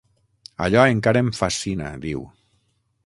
Allò encara em fascina, diu.